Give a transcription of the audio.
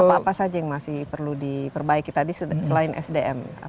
apa apa saja yang masih perlu diperbaiki tadi selain sdm